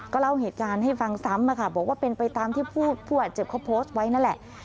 เล่าเหตุการณ์ให้ฟังซ้ำบอกว่าเป็นไปตามที่ผู้บาดเจ็บเขาโพสต์ไว้นั่นแหละ